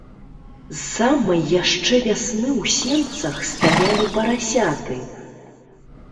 З самай яшчэ вясны ў сенцах стаялі парасяты.